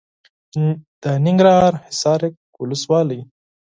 د ننګرهار حصارک ولسوالي .